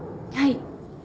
はい。